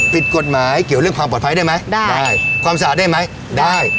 ผิดกฎหมายเกี่ยวเรื่องความปลอดภัยได้ไหมได้ได้ความสะอาดได้ไหมได้